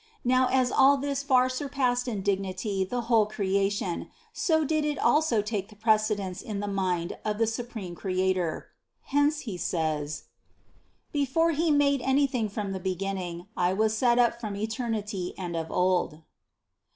Now as all this far surpassed in dignity the whole creation, so did it also take the precedence in the mind of the supreme Creator. Hence He says : THE CONCEPTION 65 56. "Before He made anything from the beginning, I was set up from eternity and of old."